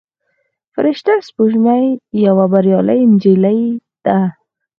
فرشته سپوږمۍ یوه بریالۍ نجلۍ ده.